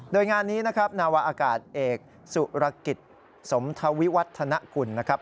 โดยงานนี้นะครับนาวาอากาศเอกสุรกิจสมทวิวัฒนกุลนะครับ